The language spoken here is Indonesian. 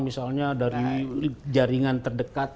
misalnya dari jaringan terdekat